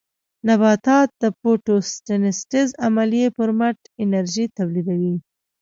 نباتات د فوټوسنټیز عملیې پرمټ انرژي تولیدوي.